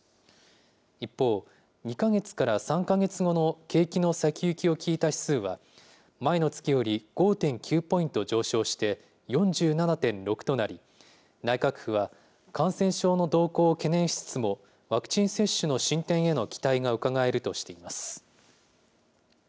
一方、２か月から３か月後の景気の先行きを聞いた指数は、前の月より５．９ポイント上昇して、４７．６となり、内閣府は感染症の動向を懸念しつつも、ワクチン接種の進展への期待がうかがえるとしています。